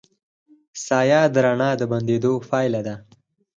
سایه د رڼا د بندېدو پایله ده.